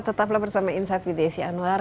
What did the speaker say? tetaplah bersama insight with desi anwar